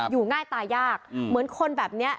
อยู่ง่ายตายยากเหมือนคนแบบนี้